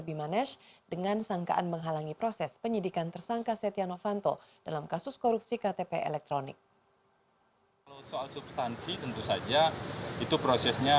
dokter bimanesh dengan sangkaan menghalangi proses penyidikan tersangka setia novanto